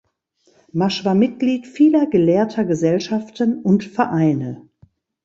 Masch war Mitglied vieler gelehrter Gesellschaften und Vereine.